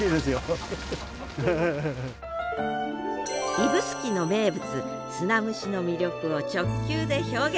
指宿の名物砂蒸しの魅力を直球で表現。